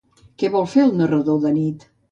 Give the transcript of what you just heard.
Què vol fer el narrador de nit?